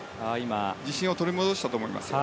自信を取り戻したと思いますよ。